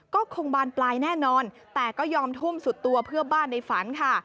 ก็คงบานปลายแน่นอนแต่ก็ยอมทุ่มสุดตัวเพื่อบ้านในฝันค่ะ